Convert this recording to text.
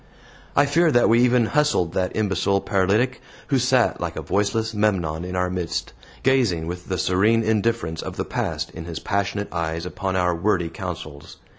I fear that we even hustled that imbecile paralytic, who sat like a voiceless Memnon in our midst, gazing with the serene indifference of the Past in his passionate eyes upon our wordy counsels.